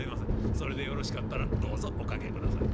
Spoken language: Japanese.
それでよろしかったらどうぞお掛けください。